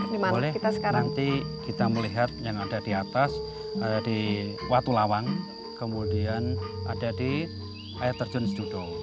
boleh nanti kita melihat yang ada di atas di watu lawang kemudian ada di terjun sejudo